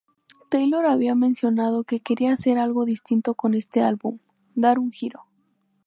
Taylor había mencionado que quería hacer algo distinto con este álbum, dar un giro.